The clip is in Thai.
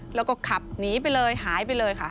แล้วก็ขับหนีไปเลยหายไปเลยค่ะ